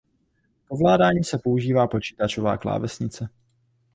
K ovládání se používá počítačová klávesnice.